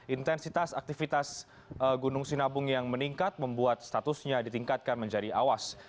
intensitas aktivitas gunung sinabung yang meningkat membuat statusnya ditingkatkan menjadi awas